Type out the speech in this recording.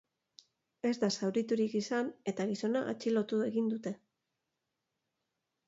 Ez da zauriturik izan eta gizona atxilotu egin dute.